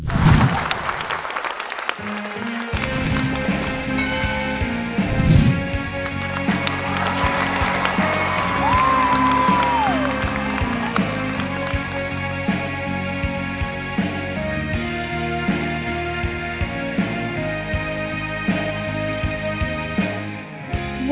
สวัสดีครับ